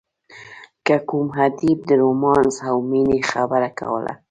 که کوم ادیب د رومانس او مینې خبره کوله.